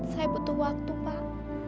saya butuh waktu pak